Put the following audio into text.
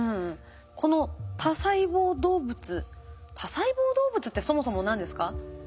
この多細胞動物多細胞動物ってそもそも何ですか？